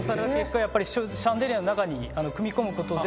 やっぱりシャンデリアの中に組み込むことで。